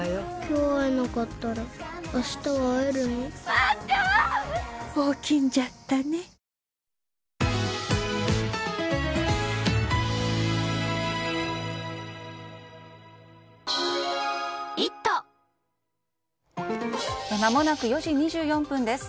わかるぞまもなく４時２４分です。